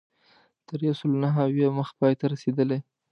تر یو سلو نهه اویا مخ پای ته رسېدلې.